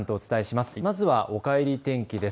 まずはおかえり天気です。